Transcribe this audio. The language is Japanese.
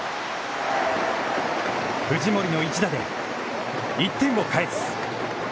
藤森の一打で１点を返す。